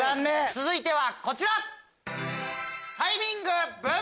続いてはこちら。